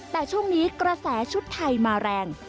แต่ช่วงนี้กระแสชุดไทยมาแรง